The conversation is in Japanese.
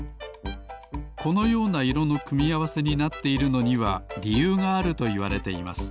このような色のくみあわせになっているのにはりゆうがあるといわれています